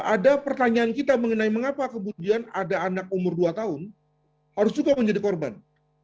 ada pertanyaan kita mengenai mengapa kemudian ada anak umur dua tahun harus juga menjadi korban